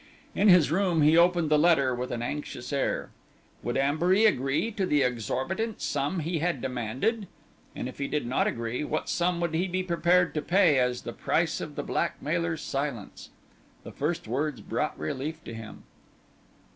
In his room he opened the letter with an anxious air. Would Ambury agree to the exorbitant sum he had demanded? And if he did not agree, what sum would he be prepared to pay as the price of the blackmailer's silence? The first words brought relief to him.